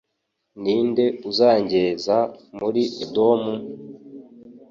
Ni nde uzangeza muri Edomu?